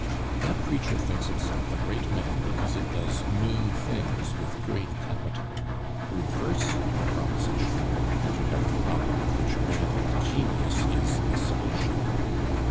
"That creature thinks itself a great man because it does mean things with great capital. Reverse the proposition, and you have the problem of which a man of genius is the solution.